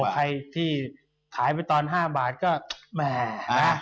ใครที่ขายไปตอน๕บาทก็แหมนะ